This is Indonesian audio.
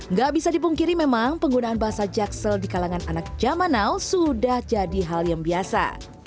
nggak bisa dipungkiri memang penggunaan bahasa jaksel di kalangan anak jamanal sudah jadi hal yang biasa